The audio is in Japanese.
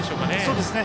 そうですね。